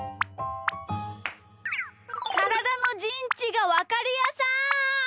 からだのじんちがわかるやさん！